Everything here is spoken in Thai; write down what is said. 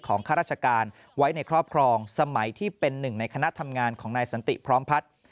ข้าราชการไว้ในครอบครองสมัยที่เป็นหนึ่งในคณะทำงานของนายสันติพร้อมพัฒน์